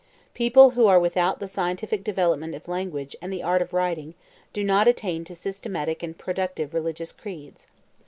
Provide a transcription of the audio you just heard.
People who are without the scientific development of language and the art of writing do not attain to systematic and productive religious creeds.